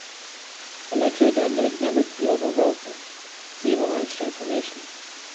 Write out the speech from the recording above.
Electric and magnetic fields are relative, see Lorentz transformation.